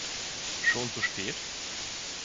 Schon so spät?